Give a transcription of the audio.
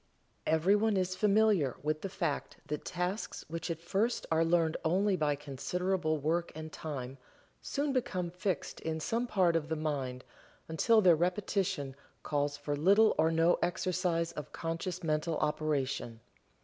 Everyone is familiar with the fact that tasks which at first are learned only by considerable work and time soon become fixed in some part of the mind until their repetition calls for little or no exercise of conscious mental operation.